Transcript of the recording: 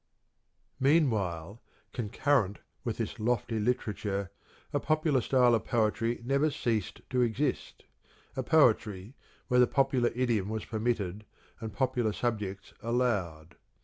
Meanwhile, concurrent with this lofty literature, a popular style of Poetry never ceased to exist, a poetry where popular idiom was permitted, and popu lar subjects allowed.